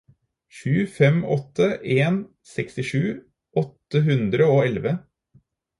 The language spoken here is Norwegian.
sju fem åtte en sekstisju åtte hundre og elleve